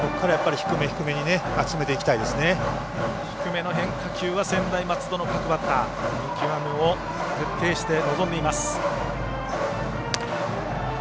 低めの変化球は専大松戸の各バッター、見極めを徹底して臨んでいます。